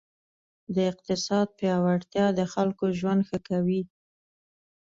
د اقتصاد پیاوړتیا د خلکو ژوند ښه کوي.